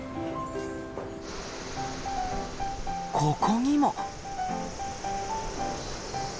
ここにも。